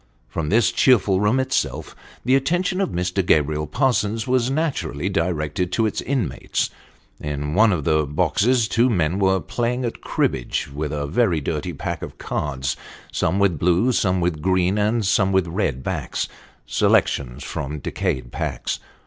From this cheerful room itself, the attention of Mr. Gabriel Parsons was naturally directed to its inmates. In one of the boxes two men were playing at cribbage with a very dirty pack of cards, some with blue, some with green, and some with red backs selections from decayed packs.